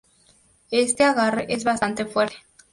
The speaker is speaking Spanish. Este agarre es bastante fuerte.